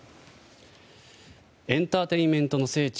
エンターテインメントの聖地